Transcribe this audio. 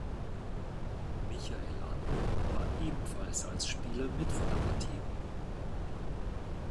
Michael Ande war ebenfalls als Spieler mit von der Partie.